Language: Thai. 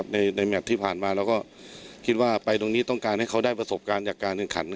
ในแมทที่ผ่านมาเราก็คิดว่าไปตรงนี้ต้องการให้เขาได้ประสบการณ์จากการแข่งขัน